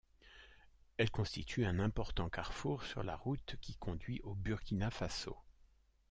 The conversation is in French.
Elle constitue un important carrefour sur la route qui conduit au Burkina Faso.